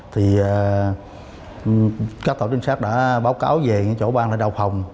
thì các tổ trinh sát đã báo cáo về những chỗ ban lên đầu phòng